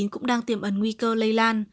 cũng đang tiềm ẩn nguy cơ lây lan